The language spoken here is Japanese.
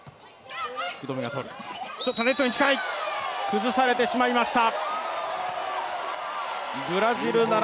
崩されてしまいました。